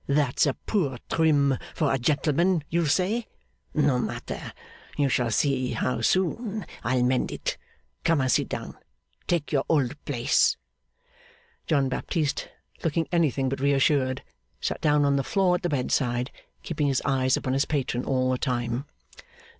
'That's a poor trim for a gentleman, you'll say. No matter, you shall see how soon I'll mend it. Come and sit down. Take your old place!' John Baptist, looking anything but reassured, sat down on the floor at the bedside, keeping his eyes upon his patron all the time.